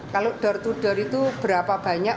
kalau door to door itu berapa banyak